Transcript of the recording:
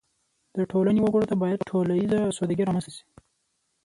د ټولنې وګړو ته باید ټولیزه اسودګي رامنځته شي.